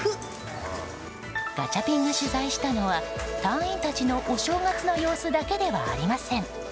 ガチャピンが取材したのは隊員たちのお正月の様子だけではありません。